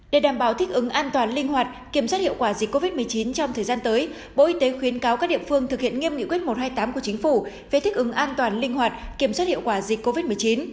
để đảm bảo thích ứng an toàn linh hoạt kiểm soát hiệu quả dịch covid một mươi chín trong thời gian tới bộ y tế khuyến cáo các địa phương thực hiện nghiêm nghị quyết một trăm hai mươi tám của chính phủ về thích ứng an toàn linh hoạt kiểm soát hiệu quả dịch covid một mươi chín